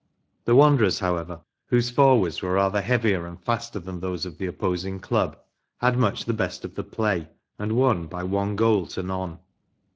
The Wanderers, however, whose forwards were rather heavier and faster than those of the opposing club, had much the best of the play, and won by one goal to none.